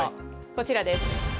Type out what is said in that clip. こちらです。